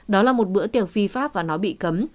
đó là một bữa tiệc phi pháp và nó bị cấm